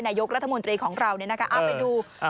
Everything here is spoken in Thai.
นายกรัฐมนตรีของเราเนี่ยนะคะ